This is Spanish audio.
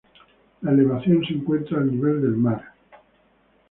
La elevación se encuentra al nivel del mar.